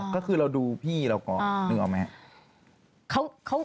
ก็คือเราดูพี่เราก็นึกออกไหม